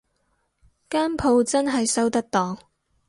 間舖真係收得檔